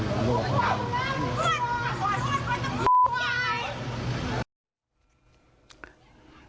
ไอ้๋ไอ้๋